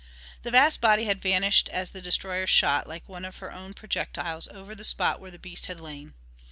The vast body had vanished as the destroyer shot like one of her own projectiles over the spot where the beast had lain.